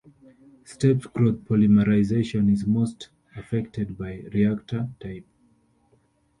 Step growth polymerization is most affected by reactor type.